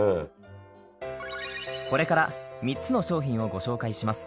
これから３つの商品をご紹介します。